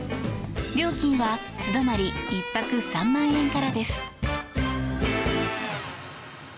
料金は、素泊まり１泊３万円からです。